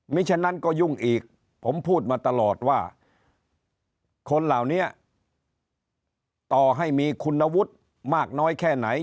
มีฉะนั้นก็ยุ่งอีกผมพูดมาตลอดว่าคนเหล่านี้ต่อให้มีคุณวุฒิมากน้อยแค่ไหน